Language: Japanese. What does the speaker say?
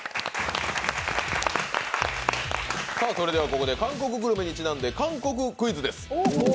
ここで韓国グルメにちなんで、韓国クイズです。